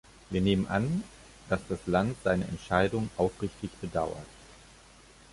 Wir nehmen an, dass das Land seine Entscheidung aufrichtig bedauert.